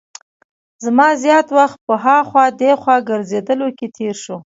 زما زیات وخت په هاخوا دیخوا ګرځېدلو کې تېر شو.